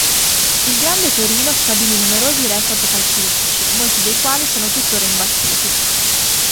Il Grande Torino stabilì numerosi record calcistici, molti dei quali sono tuttora imbattuti.